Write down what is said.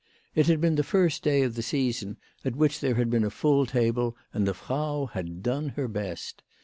It had been the first day of the season at which there had been a full table, and the Frau had done her best.